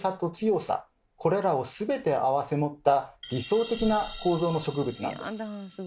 これらを全て併せ持った理想的な構造の植物なんです。